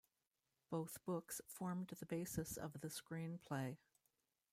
Both books formed the basis of the screenplay.